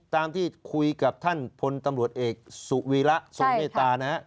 ตามที่คุยกับท่านพลตำรวจเอกสุวีระทรงเมตตานะฮะ